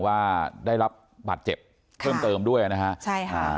ว่าได้รับบัตรเจ็บเพิ่มเติมด้วยนะคะ